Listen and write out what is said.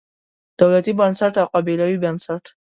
دولتي بنسټ او قبیلوي بنسټ.